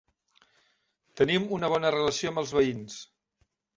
Tenim una bona relació amb els veïns.